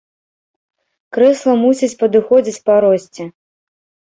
Крэсла мусіць падыходзіць па росце.